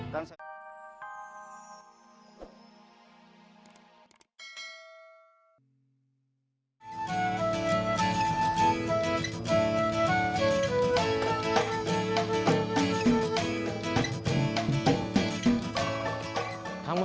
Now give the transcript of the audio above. kamu selalu berpikir